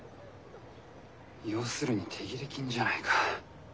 要するに手切れ金じゃないか。